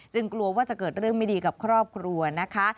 กลัวว่าจะเกิดเรื่องไม่ดีกับครอบครัวนะคะ